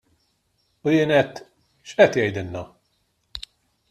U jien għedt: X'qed jgħidilna?